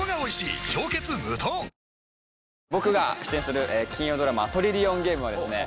あ僕が出演する金曜ドラマ「トリリオンゲーム」はですね